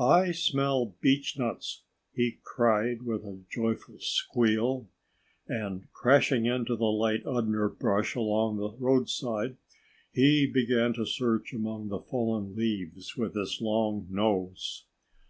"I smell beechnuts!" he cried with a joyful squeal. And crashing into the light underbrush along the roadside, he began to search among the fallen leaves with his long nose.